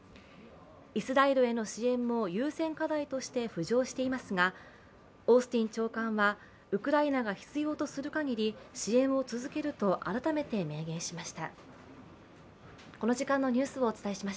イスラエルへの支援も優先課題として浮上していますがオースティン長官はウクライナが必要とする限り、支援を続けると改めて明言しました。